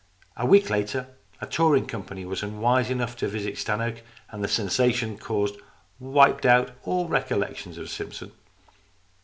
A week later, a touring company was unwise enough to visit Stannoke, and the sensation caused wiped out all recollections of Simpson.